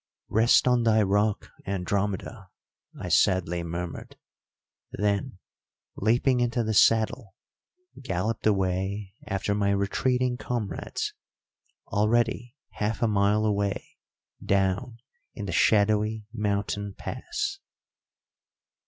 "Rest on thy rock, Andromeda!" I sadly murmured, then, leaping into the saddle, galloped away after my retreating comrades, already half a mile away down in the shadowy mountain pass.